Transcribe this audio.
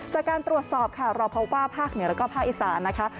จากการตรวจสอบค่ะเราพบว่าภาคเหนือแล้วก็ภาคอีสานนะคะ